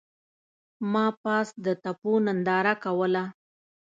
ما پاس د تپو ننداره کوله.